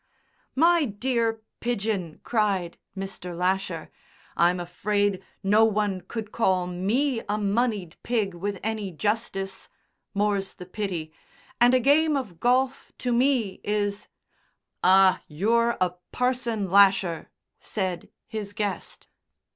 "My dear Pidgen!" cried Mr. Lasher, "I'm afraid no one could call me a moneyed pig with any justice more's the pity and a game of golf to me is " "Ah! you're a parson, Lasher," said his guest.